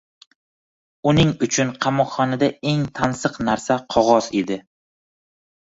…Uning uchun qamoqxonada eng tansiq narsa qog’oz edi.